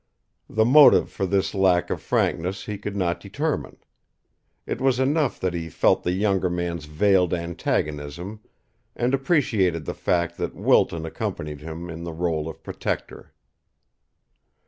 The motive for this lack of frankness he could not determine. It was enough that he felt the younger man's veiled antagonism and appreciated the fact that Wilton accompanied him in the rôle of protector.